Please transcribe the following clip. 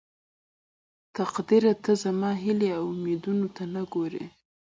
تقديره ته زما هيلې او اميدونه ته نه ګورې.